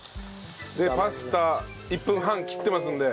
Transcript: パスタ１分半切ってますんで。